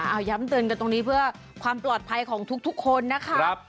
เอาย้ำเตือนกันตรงนี้เพื่อความปลอดภัยของทุกคนนะคะ